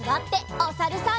おさるさん。